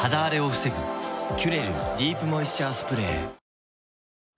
「キュレルディープモイスチャースプレー」